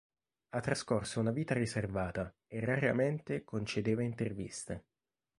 Ha trascorso una vita riservata e raramente concedeva interviste.